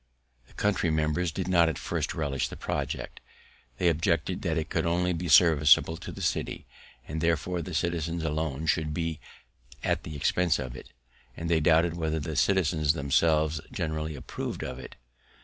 The country members did not at first relish the project; they objected that it could only be serviceable to the city, and therefore the citizens alone should be at the expense of it; and they doubted whether the citizens themselves generally approv'd of it.